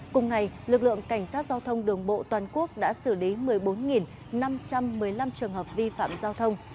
cùng ngày lực lượng cảnh sát giao thông đường bộ toàn quốc đã xử lý một mươi bốn năm trăm một mươi năm trường hợp vi phạm giao thông